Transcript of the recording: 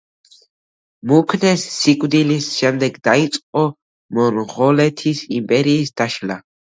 მუნქეს სიკვდილის შემდეგ დაიწყო მონღოლეთის იმპერიის დაშლა.